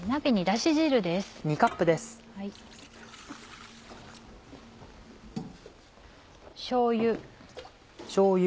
しょうゆ。